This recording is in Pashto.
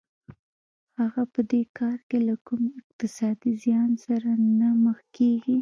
هغه په دې کار کې له کوم اقتصادي زیان سره نه مخ کېږي